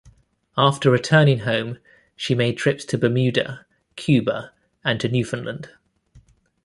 After returning home, she made trips to Bermuda, Cuba, and to Newfoundland.